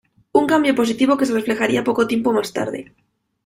Un cambio positivo que se reflejaría poco tiempo más tarde.